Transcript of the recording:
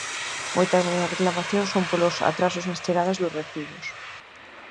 Moitas das reclamacións son polos atrasos nas chegadas dos recibos.